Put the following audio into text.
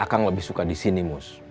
akang lebih suka disini mus